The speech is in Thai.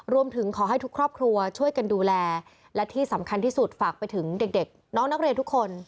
รวมถึงขอให้ทุกครอบครัวช่วยกันดูแลและที่สำคัญที่สุดฝากไปถึงเด็กน้องนักเรียนทุกคน